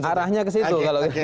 arahnya ke situ